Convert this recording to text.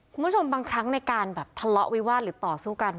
คุณผู้ชมบางครั้งในการแบบทะเลาะวิวาสหรือต่อสู้กัน